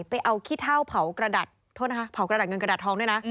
ไปเอาขี้เท่าเผากระดาษเงินกระดาษทองด้วยนะ